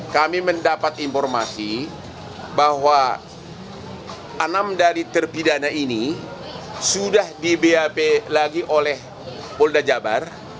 kami mendapat informasi bahwa enam dari terpidana ini sudah di bap lagi oleh polda jabar